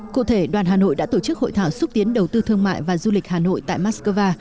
cụ thể đoàn hà nội đã tổ chức hội thảo xúc tiến đầu tư thương mại và du lịch hà nội tại moscow